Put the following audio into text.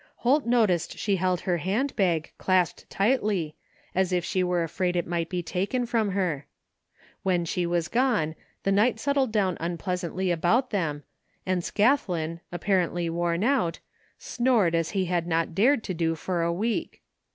Holt noticed she held her hand bag clasped tightly as if she were afraid it might be taken from her. When she was gone the night settled down 22 THE FINDING OF JASPER HOLT unpleasantly about them a^d Scathlin, apparently worn out, snored as he had not dared to do for a week.